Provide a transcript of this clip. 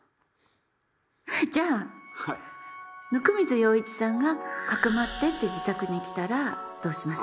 じゃあ温水洋一さんが「匿って」って自宅に来たらどうします？